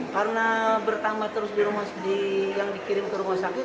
karena bertambah terus yang dikirim ke rumah sakit